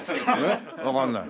えっ？わかんない。